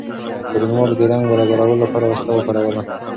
ګډونوالو د رنګ برابرولو لپاره وسیله وکاروله.